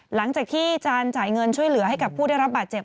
หลังจากที่จานจ่ายเงินช่วยเหลือให้กับผู้ได้รับบาดเจ็บ